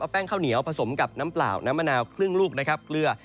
แป้งข้าวเหนียวผสมกับน้ำเปล่าน้ำมะนาวครึ่งลูกนะครับเกลือ